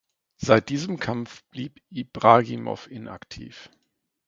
Seit diesem Kampf blieb Ibragimow inaktiv.